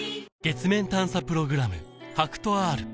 月面探査プログラム